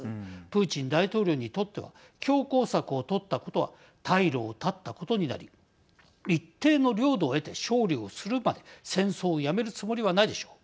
プーチン大統領にとっては強硬策を取ったことは退路を断ったことになり一定の領土を得て勝利をするまで戦争をやめるつもりはないでしょう。